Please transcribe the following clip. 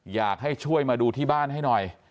อยากให้ช่วยมาดูที่บ้านให้หน่อย